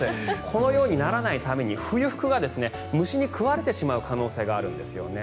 このようにならないように冬服が虫に食われてしまう可能性があるんですね。